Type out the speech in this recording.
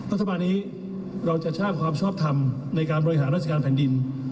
รัฐบาลนี้เราจะสร้างความชอบทำในการบริหารราชการแผ่นดิน